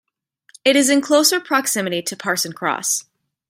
It is in closer proximity to Parson Cross.